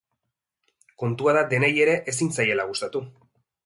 Kontua da denei ere ezin zaiela gustatu.